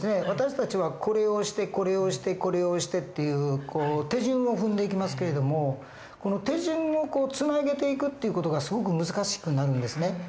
私たちはこれをしてこれをしてこれをしてっていう手順を踏んでいきますけれどもこの手順をつなげていくっていう事がすごく難しくなるんですね。